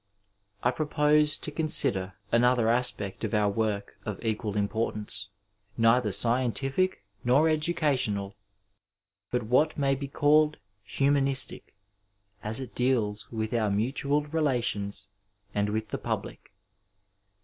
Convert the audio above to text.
I propose to consider another aspect of our work of equal importance, neither scientific nor educational, but what may be called humanistic, as it deals with our mutual relations and vdth the public.